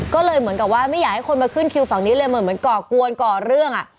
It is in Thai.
ก็เลยเหมือนกับว่าไม่อยากให้คนมาขึ้นคิวฝั่งนี้เลยเหมือนก่อกวนก่อเรื่อง